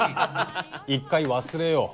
一回忘れよう。